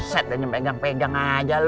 upset udah nyempegang pegang aja lo